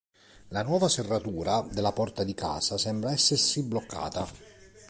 La nuova serratura della porta di casa sembra essersi bloccata.